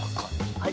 はい。